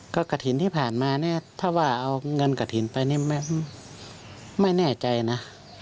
กระถิ่นที่ผ่านมาถ้าว่าเอาเงินกระถิ่นไปไม่แน่ใจนะ